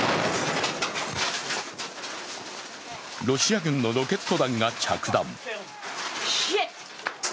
ロシア軍のロケット弾が着弾。